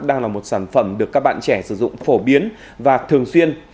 đang là một sản phẩm được các bạn trẻ sử dụng phổ biến và thường xuyên